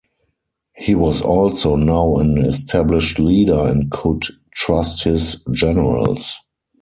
He was also now an established leader and could trust his generals.